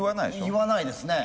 言わないですね。